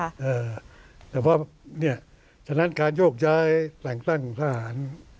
แต่เพราะเนี่ยฉะนั้นการโยกย้ายแต่งตั้งทหาร